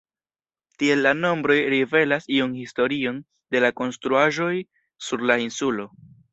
Tiel la nombroj rivelas iun historion de la konstruaĵoj sur la insulo.